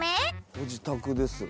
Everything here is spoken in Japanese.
ご自宅ですよ。